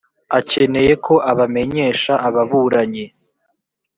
akeneye ko abamenyesha ababuranyi